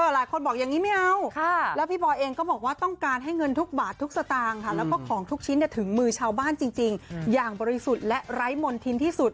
หลายคนบอกอย่างนี้ไม่เอาแล้วพี่บอยเองก็บอกว่าต้องการให้เงินทุกบาททุกสตางค์ค่ะแล้วก็ของทุกชิ้นถึงมือชาวบ้านจริงอย่างบริสุทธิ์และไร้มนทินที่สุด